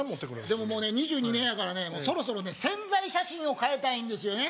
でももうね２２年やからねそろそろね宣材写真を変えたいんですよね